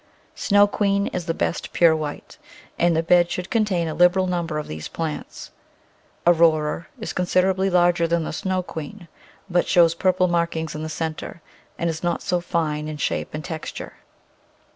Snow Queen is the best pure white, and the bed should contain a liberal number of these plants. Aurora is considerably larger than the Snow Queen, but shows purple markings in the centre, and is not so fine in shape and texture.